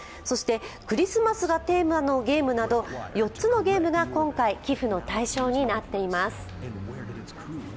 そしてクリスマスがテーマのゲームなど４つのゲームが今回、寄付の対象になっています。